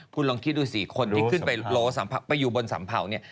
คุณลองคิดดูสิคนที่ขึ้นไปโล้สัมเผาไปอยู่บนสัมเผาเนี่ย